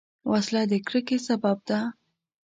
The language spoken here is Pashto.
وسله د کرکې سبب ده